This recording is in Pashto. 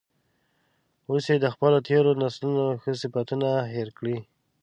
اوس یې د خپلو تیرو نسلونو ښه صفتونه هیر کړي.